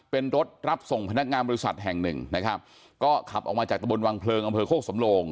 เป็นรถรับส่งพนักงานบริษัทแห่งหนึ่งนะครับก็ขับออกมาจากตะบนวังเพลิงอำเภอโคกสำโลง